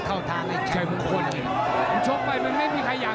เข้าทางไอ้ชายมุคคลเลย